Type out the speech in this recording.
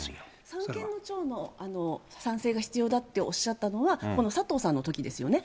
三権の長の賛成が必要だっておっしゃったのは、この佐藤さんのときですよね。